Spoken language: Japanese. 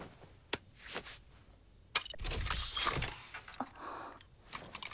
あっ。